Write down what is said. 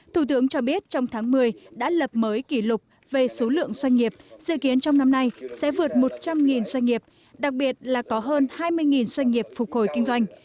thủ tướng cho biết trong tháng một mươi đã lập mới kỷ lục về số lượng doanh nghiệp dự kiến trong năm nay sẽ vượt một trăm linh doanh nghiệp đặc biệt là có hơn hai mươi doanh nghiệp phục hồi kinh doanh